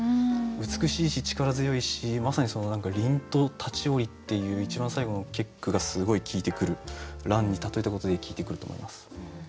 美しいし力強いしまさに「凜と立ちおり」っていう一番最後の結句がすごい効いてくる蘭に例えたことで効いてくると思います。